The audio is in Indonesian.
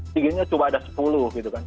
tigennya cuma ada sepuluh gitu kang